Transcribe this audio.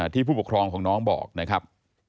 ผู้ปกครองของน้องบอกนะครับ